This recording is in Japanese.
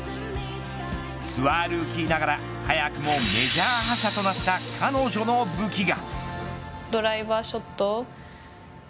ツアールーキーながら、早くもメジャー覇者となった彼女の武器が。